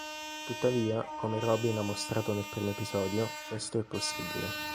Tuttavia come Robin ha mostrato nel primo episodio, questo è possibile.